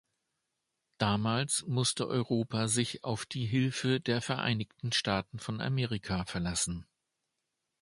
Damals musste Europa sich auf die Hilfe der Vereinigten Staaten von Amerika verlassen.